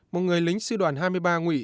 một người lính sư đoàn hai mươi ba